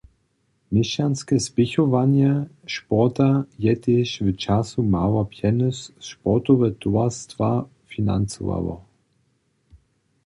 Měšćanske spěchowanje sporta je tež w času mało pjenjez sportowe towarstwa financowało.